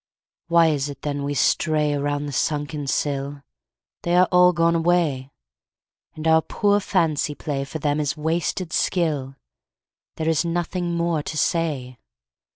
Why is it then we stray Around the sunken sill? They are all gone away. And our poor fancy play For them is wasted skill: There is nothing more to say.